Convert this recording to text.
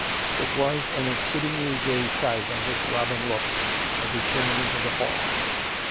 It was an exceedingly gay sight on which Robin looked as he turned into the hall.